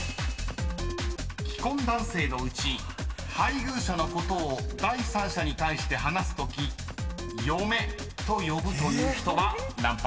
［既婚男性のうち配偶者のことを第三者に対して話すとき嫁と呼ぶという人は何％？］